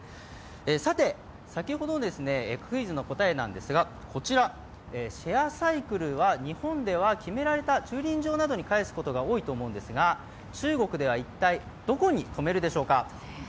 さて、先ほどのクイズの答えなんですがシェアサイクルは日本では決められた駐輪場などに返すことが多いと思うんですが、中国では一体、どこに止めるでしょうか。